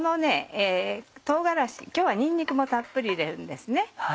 今日はにんにくもたっぷり入れるんですね。